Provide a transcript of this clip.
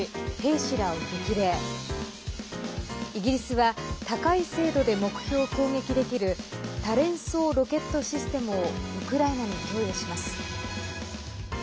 イギリスは高い精度で目標を攻撃できる多連装ロケットシステムをウクライナに供与します。